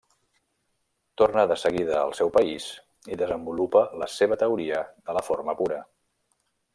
Torna de seguida al seu país i desenvolupa la seva teoria de la forma pura.